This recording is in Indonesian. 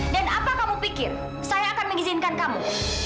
dan apa kamu pikir saya akan mengizinkan kamu